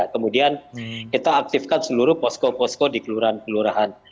kemudian kita aktifkan seluruh posko posko di kelurahan kelurahan